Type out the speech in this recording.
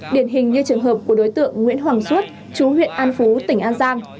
điển hình như trường hợp của đối tượng nguyễn hoàng xuất chú huyện an phú tỉnh an giang